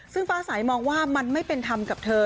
ซึ่งป้าสายมองว่ามันไม่เป็นธรรมกับเธอ